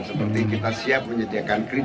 seperti kita siap menyediakan krim